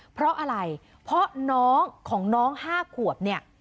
เพราะอะไรเพราะน้องของน้อง๕ขวบเนี่ย